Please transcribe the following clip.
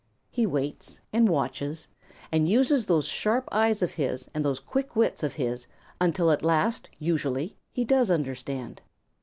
He waits and watches and uses those sharp eyes of his and those quick wits of his until at last usually he does understand.